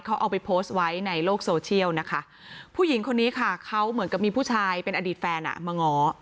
เขาเอาไปโพสต์ไว้ในโลกโซเชียลนะคะผู้หญิงคนนี้ค่ะเขาเหมือนกับมีผู้ชายเป็นอดีตแฟนอ่ะมาง้อ